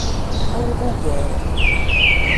Aweḍ ugar.